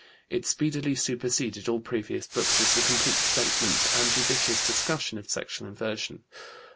It speedily superseded all previous books as a complete statement and judicious discussion of sexual inversion.